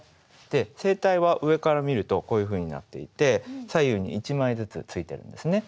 声帯は上から見るとこういうふうになっていて左右に一枚ずつついてるんですね。